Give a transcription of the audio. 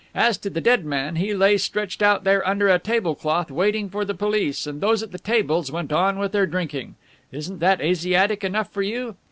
As to the dead man, he lay stretched out there under a table cloth, waiting for the police and those at the tables went on with their drinking. Isn't that Asiatic enough for you?